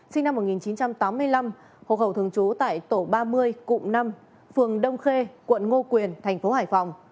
sinh năm một nghìn chín trăm tám mươi năm hộ khẩu thường trú tại tổ ba mươi cụm năm phường đông khê quận ngo quyền thành phố hải phòng